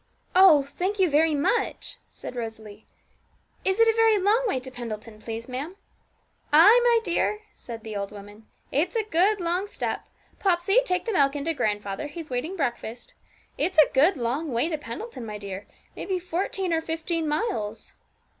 'Oh, thank you very much,' said Rosalie. 'Is it a very long way to Pendleton, please, ma'am?' 'Ay, my dear,' said the old woman; 'it's a good long step Popsey, take the milk in to grandfather, he's waiting breakfast it's a good long way to Pendleton, my dear, maybe fourteen or fifteen miles.'